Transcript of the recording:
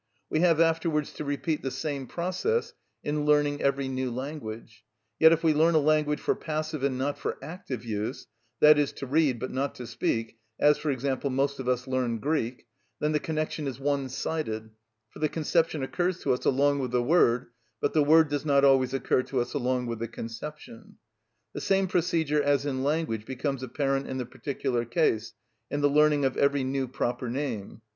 We have afterwards to repeat the same process in learning every new language; yet if we learn a language for passive and not for active use—that is, to read, but not to speak, as, for example, most of us learn Greek—then the connection is one sided, for the conception occurs to us along with the word, but the word does not always occur to us along with the conception. The same procedure as in language becomes apparent in the particular case, in the learning of every new proper name.